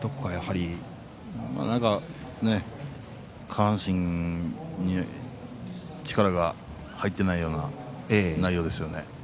下半身に力が入っていないような内容ですよね。